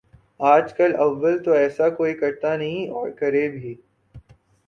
آج کل اول تو ایسا کوئی کرتا نہیں اور کرے بھی